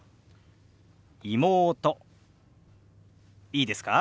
いいですか？